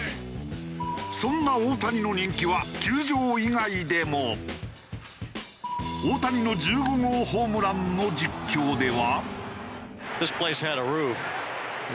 そんな大谷の１５号ホームランの実況では。